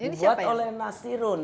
dibuat oleh nasirun